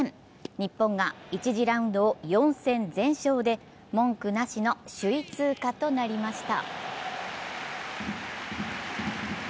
日本が１次ラウンドを４戦全勝で文句なしの首位通過となりました。